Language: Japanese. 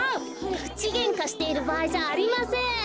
くちげんかしているばあいじゃありません。